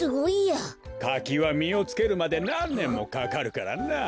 かきはみをつけるまでなんねんもかかるからな。